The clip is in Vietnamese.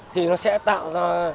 thì nó sẽ tạo ra